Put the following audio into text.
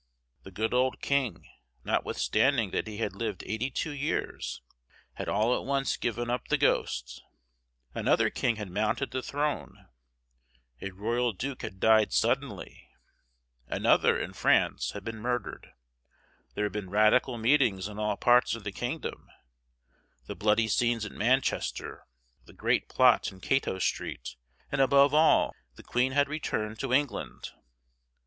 The good old king, notwithstanding that he had lived eighty two years, had all at once given up the ghost; another king had mounted the throne; a royal duke had died suddenly; another, in France, had been murdered; there had been radical meetings in all parts of the kingdom; the bloody scenes at Manchester; the great plot in Cato Street; and, above all, the queen had returned to England!